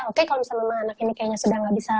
oke kalau misalnya anak ini sudah gak bisa